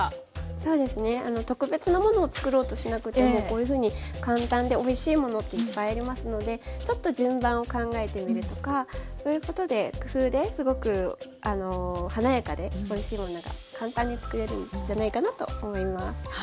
そうですね特別なものを作ろうとしなくてもこういうふうに簡単でおいしいものっていっぱいありますのでちょっと順番を考えてみるとかそういうことで工夫ですごく華やかでおいしいものが簡単に作れるんじゃないかなと思います。